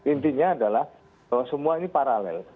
intinya adalah bahwa semua ini paralel